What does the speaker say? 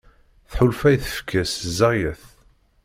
Tḥulfa i tfekka-s ẓẓayet.